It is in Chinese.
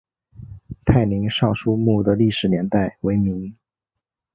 泰宁尚书墓的历史年代为明。